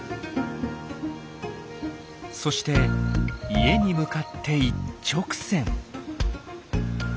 そして家に向かって一直線。